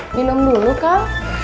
minum dulu kak